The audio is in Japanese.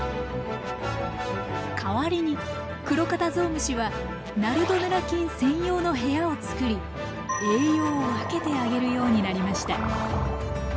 代わりにクロカタゾウムシはナルドネラ菌専用の部屋を作り栄養を分けてあげるようになりました。